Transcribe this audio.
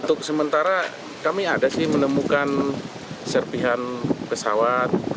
untuk sementara kami ada sih menemukan serpihan pesawat